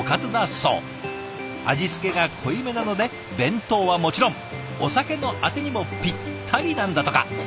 味付けが濃いめなので弁当はもちろんお酒のあてにもピッタリなんだとか。